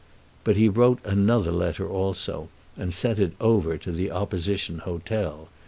But he wrote another letter also, and sent it over to the opposition hotel.